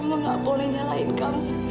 mama nggak boleh nyalahin kamu